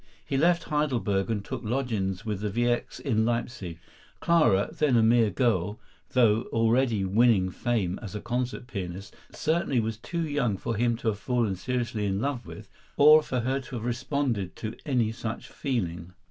He left Heidelberg and took lodgings with the Wiecks in Leipsic. Clara, then a mere girl, though already winning fame as a concert pianist, certainly was too young for him to have fallen seriously in love with, or for her to have responded to any such feeling.